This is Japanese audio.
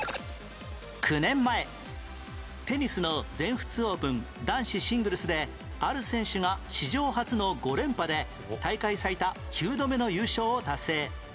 ９年前テニスの全仏オープン男子シングルスである選手が史上初の５連覇で大会最多９度目の優勝を達成